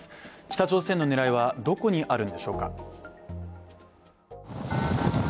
北朝鮮の狙いはどこにあるんでしょうか？